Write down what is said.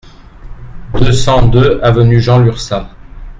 deux cent deux avenue Jean Lurçat